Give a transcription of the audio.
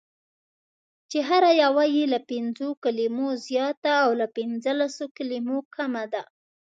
چې هره یوه یې له پنځو کلمو زیاته او له پنځلسو کلمو کمه ده: